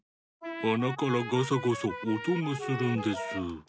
あなからガサゴソおとがするんです。